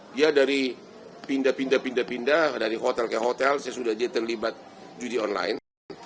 dia dari pindah pindah pindah pindah dari hotel ke hotel sesudah dia terlibat judi online